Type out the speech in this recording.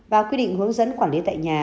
và quy định hướng dẫn quản lý tại nhà